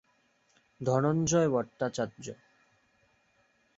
Dhananjay Bhattacharya